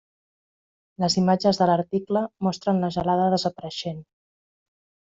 Les imatges de l'article mostren la gelada desapareixent.